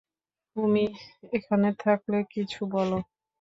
তুমি এখানে থাকলে কিছু বলো।